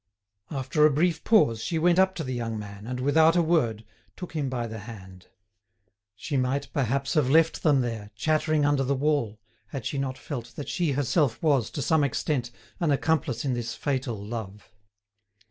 After a brief pause, she went up to the young man, and, without a word, took him by the hand. She might, perhaps, have left them there, chattering under the wall, had she not felt that she herself was, to some extent, an accomplice in this fatal love.